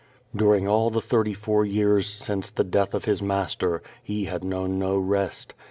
During all the thirty four years since the death of his Mas ter, he had known no rest.